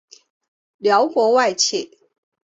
辽国外戚。